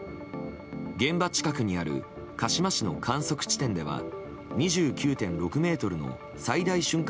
現場近くにある鹿嶋市の観測地点では２９．６メートルの最大瞬間